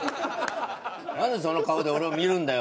何でその顔で俺を見るんだよ